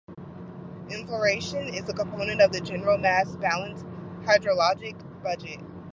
Infiltration is a component of the general mass balance hydrologic budget.